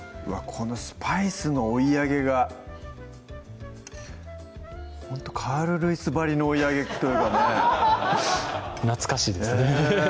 このスパイスの追い上げがほんとカール・ルイスばりの追い上げというかね懐かしいですねええ